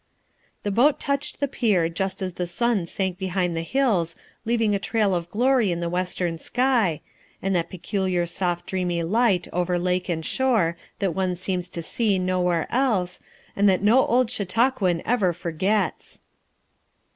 The boat touched the pier just as the sun sank behind the hills leaving a trail of glory in the western sky, and that peculiar soft dreamy FOUR MOTHERS AT CHAUTAUQUA 63 light over lake and shore that one seems to see nowhere else, and that no old Chautauquan ever forgets.